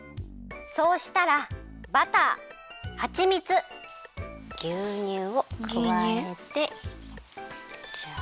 そうしたらバターはちみつぎゅうにゅうをくわえてジャ。